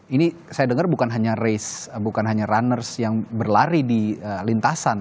ini saya dengar bukan hanya race bukan hanya runners yang berlari di lintasan